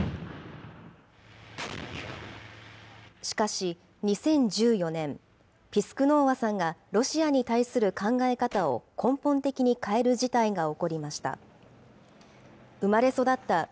しかし２０１４年、ピスクノーワさんがロシアに対する考え方を根本的に変える事態が起こりました。